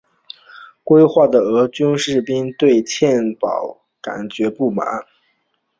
归化的俄军士兵们对欠饷感到不满。